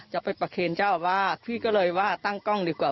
จะไปประเคนเจ้าอาวาสพี่ก็เลยว่าตั้งกล้องดีกว่า